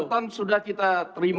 catatan sudah kita terima